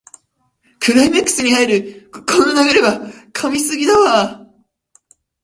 クライマックスに入るこの流れは神すぎだわ